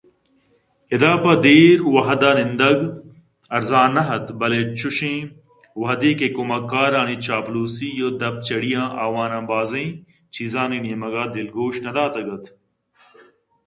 ادا پہ دیر وہدءَ نندگ ارزان نہ اَت بلئے چوشیں وہدے کہ کمکارانی چاپلوسی ءُدپ جڑیاں آوان بازیں چیزانی نیمگءَ دلگوش نہ داتگ اَت